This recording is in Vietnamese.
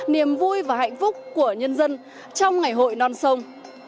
niềm vui và hạnh phúc của nhân dân trong ngày hội non sông